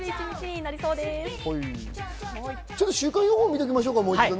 週間予報を見ておきましょう。